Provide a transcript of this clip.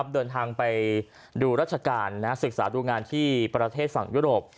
เดินทางไปดูราชการศึกษาดูงานที่ประเทศฝั่งยุโรป